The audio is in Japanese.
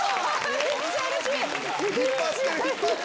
めっちゃうれしい！